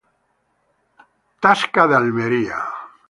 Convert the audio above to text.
Catedral de Almería.